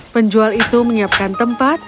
penjual itu menyiapkan tempat